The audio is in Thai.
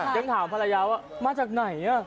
ยังถามภรรยาว่ามาจากไหน